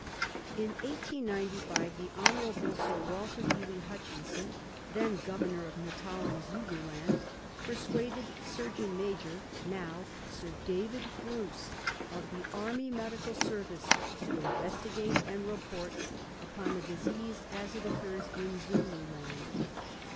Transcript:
In 1895 the Honourable Sir Walter Hely Hutchinson, then Grovernor of Natal and Zululand, persuaded Surgeon Major (now Sir David) Bruce, of the Army Medical Service, to investigate and report upon the disease as it occurs in Zululand.